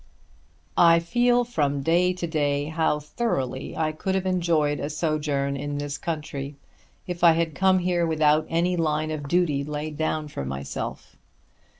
I feel from day to day how thoroughly I could have enjoyed a sojourn in this country if I had come here without any line of duty laid down for myself.